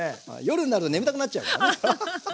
夜になると眠たくなっちゃうからね。